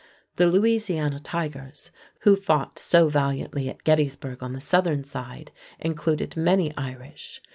The "Louisiana Tigers", who fought so valiantly at Gettysburg on the Southern side, included many Irish.